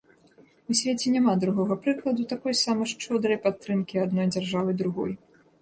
У свеце няма другога прыкладу такой сама шчодрай падтрымкі адной дзяржавай другой.